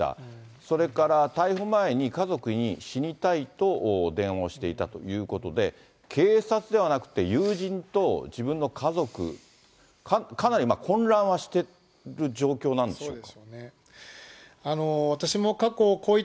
それから逮捕前に、家族に死にたいと電話をしていたということで、警察ではなくて、友人と自分の家族、かなり混乱はしてる状況なんでしょうか。